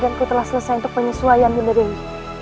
badanku telah selesai untuk penyesuaian bunda dewi